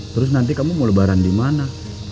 terus nanti kamu mau lebaran dimana